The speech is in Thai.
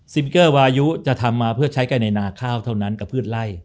เกอร์วายุจะทำมาเพื่อใช้กันในนาข้าวเท่านั้นกับพืชไล่